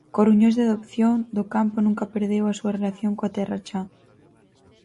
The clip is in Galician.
Coruñés de adopción, Docampo nunca perdeu a súa relación coa Terra Cha.